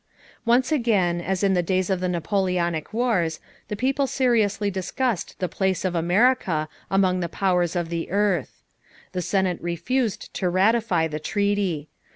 Once again, as in the days of the Napoleonic wars, the people seriously discussed the place of America among the powers of the earth. The Senate refused to ratify the treaty.